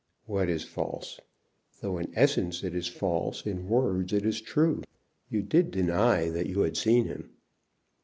"What is false? Though in essence it is false, in words it is true. You did deny that you had seen him."